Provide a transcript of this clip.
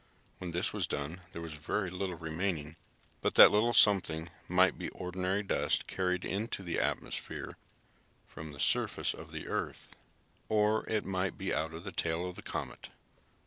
When this was done there was very little remaining, but that little something might be ordinary dust carried into the atmosphere from the surface of the Earth. Or it might be out of the tail of the comet.